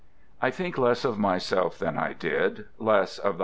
I think less of myself than I did, less of the?